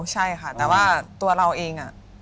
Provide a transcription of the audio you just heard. ใช่ค่ะแต่ว่าตัวเราเอง